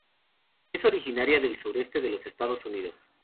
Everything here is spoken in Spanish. Es originaria del sureste de los Estados Unidos.